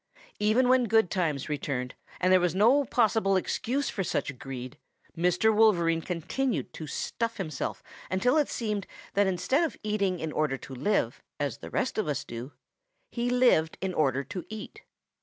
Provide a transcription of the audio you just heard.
"Even when good times returned and there was no possible excuse for such greed, Mr. Wolverine continued to stuff himself until it seemed that instead of eating in order to live, as the rest of us do, he lived in order to eat.